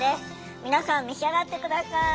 皆さん召し上がって下さい。